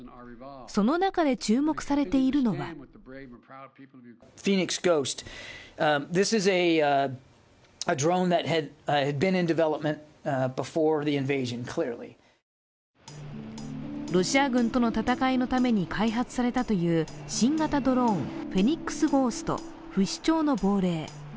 その中で注目されているのはロシア軍との戦いのために開発されたという新型ドローンフェニックスゴースト＝不死鳥の亡霊。